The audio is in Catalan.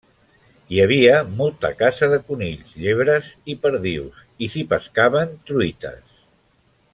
Hi havia molta caça de conills, llebres i perdius i s'hi pescaven truites.